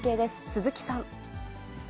鈴木さん。